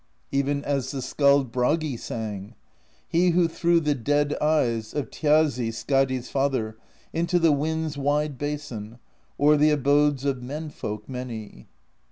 Even as the skald Bragi sang: He who threw the dead eyes Of Thjazi, Skadi's father, Into the Winds' Wide Basin O'er the abodes of men folk many.